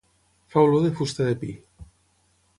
Fa olor de fusta de pi.